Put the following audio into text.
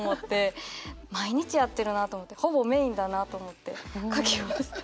毎日やってるなと思ってほぼメインだなと思って書きました。